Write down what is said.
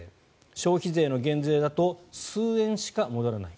消費税の減税だと数円しか戻らない。